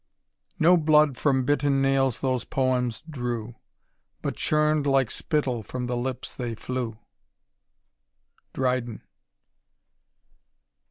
'* No blood from bitten nails those poems drew ; But chum'd, like spittle, from the lips they flew." Dryden.